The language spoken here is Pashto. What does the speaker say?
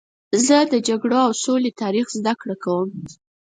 زه د جګړو او سولې تاریخ زدهکړه کوم.